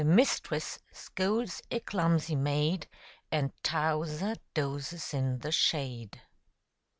^ Mistress scolds a clumsy Af at </, And To w%er dozes in the Shade